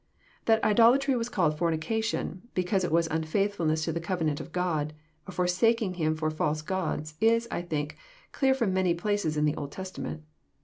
— That idolatry was called fornication, because it was unfaithfulness to the covenant God, a forsaking Him for false gods. Is, I think, clear from many places in the Old Testament.